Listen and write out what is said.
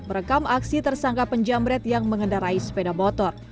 merekam aksi tersangka penjamret yang mengendarai sepeda motor